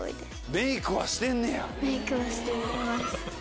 メイクはしてんねや？